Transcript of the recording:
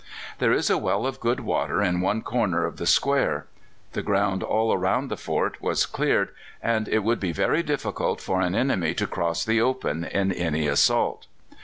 There is a well of good water in one corner of the square. The ground all round the fort was cleared, and it would be very difficult for an enemy to cross the open in any assault.